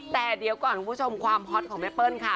แต่เดี๋ยวก่อนคุณผู้ชมความฮอตของแม่เปิ้ลค่ะ